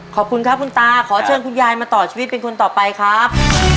ขอบคุณครับคุณตาขอเชิญคุณยายมาต่อชีวิตเป็นคนต่อไปครับ